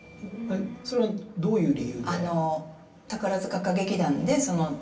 それはどういう理由で？